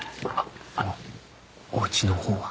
あのおうちのほうは。